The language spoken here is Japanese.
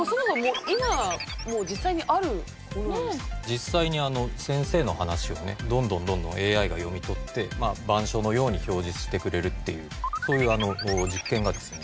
実際に先生の話をねどんどんどんどんＡＩが読み取って板書のように表示してくれるっていうそういう実験がですね